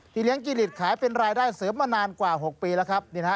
ที่เลี้ยงจิ้งหลีดขายเป็นรายได้เสริมมานานกว่าหกปีแล้วครับนี่นะฮะ